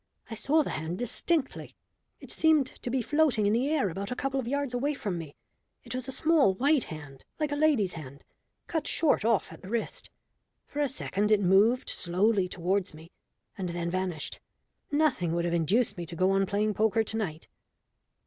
I saw the hand distinctly. It seemed to be floating in the air about a couple of yards away from me. It was a small white hand, like a lady's hand, cut short off at the wrist. For a second it moved slowly towards me, and then vanished. Nothing would have induced me to go on playing poker to night."